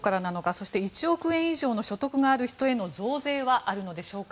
そして１億円以上の所得がある人の増税はあるんでしょうか。